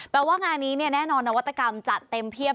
ว่างานนี้แน่นอนนวัตกรรมจัดเต็มเพียบ